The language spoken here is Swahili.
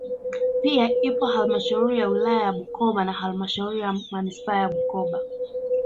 Pia ipo halmashauri ya wilaya ya Bukoba na halmashuri ya manispaa ya Bukoba